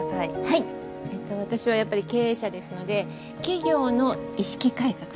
えと私はやっぱり経営者ですので企業の意識改革